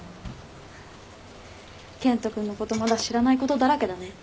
健人君のことまだ知らないことだらけだね。